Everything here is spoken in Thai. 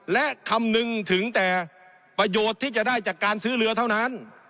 และคำนึงถึงแต่ประโยชน์ที่จะได้จากการซื้อเรือเท่านั้น